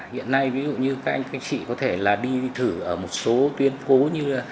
hiện nay ví dụ như các anh các chị có thể là đi thử ở một số tuyến phố như